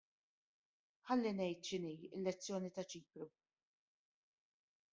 Ħalli ngħid x'inhi l-lezzjoni ta' Ċipru.